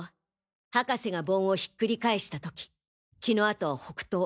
博士が盆をひっくり返した時血の跡は北東。